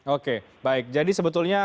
oke baik jadi sebetulnya